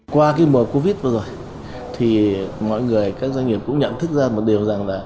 qua mùa covid vừa rồi mọi người các doanh nghiệp cũng nhận thức ra một điều